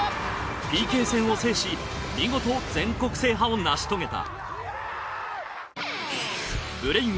ＰＫ戦を制し見事全国制覇を成し遂げた。